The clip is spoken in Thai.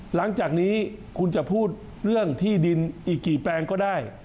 หลังจากนี้คุณจะพูดเรื่องที่ดินอีกกี่แปลงก็ได้